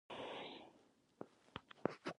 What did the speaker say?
انار د وجود قوت زیاتوي.